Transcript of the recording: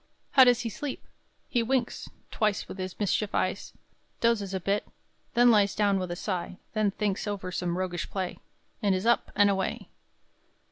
How does he sleep? He winks Twice with his mischief eyes; Dozes a bit; then lies Down with a sigh; then thinks Over some roguish play, And is up and away!